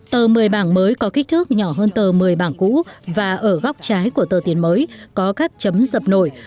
tờ một mươi bảng mới có kích thước nhỏ hơn tờ một mươi bảng cũ và ở góc trái của tờ tiền mới có các chấm dập nổi